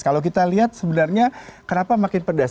kalau kita lihat sebenarnya kenapa makin pedas